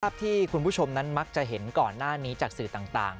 ที่คุณผู้ชมนั้นมักจะเห็นก่อนหน้านี้จากสื่อต่าง